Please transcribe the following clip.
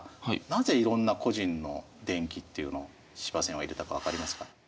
なぜいろんな個人の伝記っていうのを司馬遷は入れたか分かりますか？